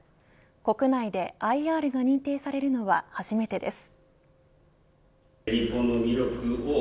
国内でＩＲが認定されるのは初めてです。